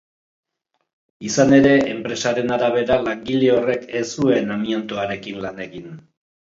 Izan ere, enpresaren arabera, langile horrek ez zuen amiantoarekin lan egin.